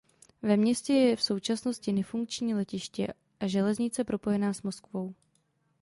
Ve městě je v současnosti nefunkční letiště a železnice propojená s Moskvou.